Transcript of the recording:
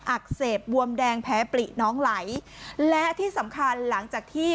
อักเสบบวมแดงแพ้ปลิน้องไหลและที่สำคัญหลังจากที่